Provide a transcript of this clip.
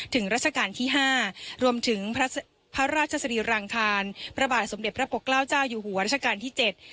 รัชกาลที่ห้ารวมถึงพระราชสรีรังคารพระบาทสมเด็จพระปกเกล้าเจ้าอยู่หัวรัชกาลที่เจ็ด